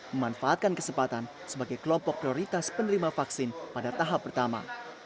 memanfaatkan kesempatan sebagai kelompok prioritas penerima vaksin pada tahap pertama